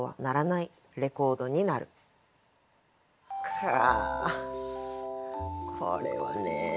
かあこれはね。